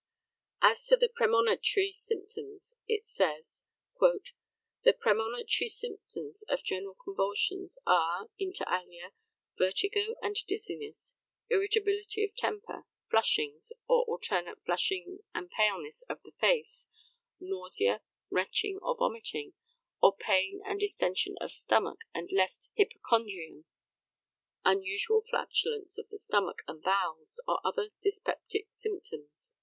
As to the premonitory symptoms, it says: "The premonitory signs of general convulsions are (inter alia), vertigo and dizziness, irritability of temper, flushings, or alternate flushing and paleness of the face, nausea, retching or vomiting, or pain and distension of stomach and left hypochondrium, unusual flatulence of the stomach and bowels, or other dyspeptic symptoms."